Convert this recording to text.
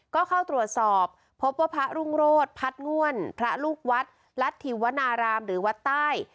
ก็เข้าตรวจสอบพบว่าพระรุ่งโรธพัดง่วนพระลูกวัดรัฐธิวนารามหรือวัดใต้